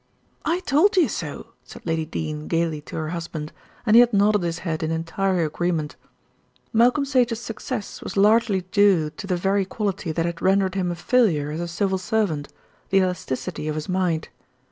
"I told you so," said Lady Dene gaily to her husband, and he had nodded his head in entire agreement. Malcolm Sage's success was largely due to the very quality that had rendered him a failure as a civil servant, the elasticity of his mind.